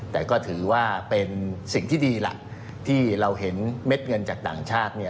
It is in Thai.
แต่ก็ถือว่าเป็นสิ่งที่ดีล่ะที่เราเห็นเม็ดเงินจากต่างชาติเนี่ย